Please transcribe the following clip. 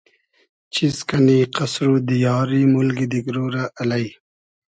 چیز کئنی قئسر و دیاری مولگی دیگرۉ رۂ الݷ